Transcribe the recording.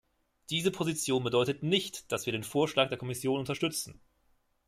Diese Position bedeutet nicht, dass wir den Vorschlag der Kommission unterstützen.